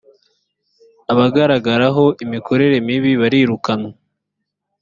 abagaragaraho imikorere mibi barirukanwa